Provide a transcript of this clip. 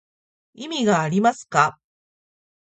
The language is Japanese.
意味がありますか